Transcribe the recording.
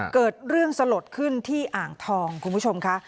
เกิดเรื่องสลดขึ้นที่อ่างทองคุณผู้ชมค่ะ